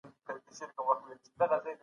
د سياست علمي کچه د طبيعي علومو ټيټه ده.